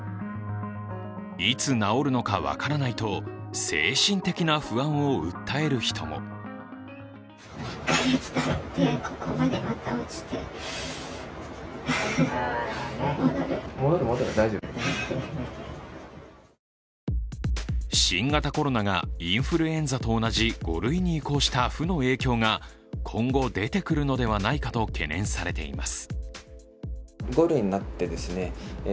いつ治るのか分からないと精神的な不安を訴える人も新型コロナがインフルエンザと同じ５類に移行した負の影響が今後出てくるのではないかと懸念されています。